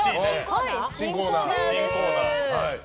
新コーナーです。